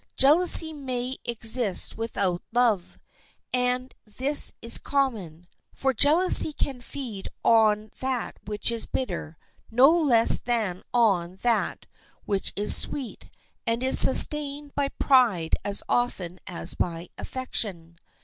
Jealousy may exist without love, and this is common, for jealousy can feed on that which is bitter no less than on that which is sweet, and is sustained by pride as often as by affection.